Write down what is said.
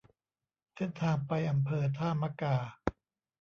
เส้นทางไปอำเภอท่ามะกา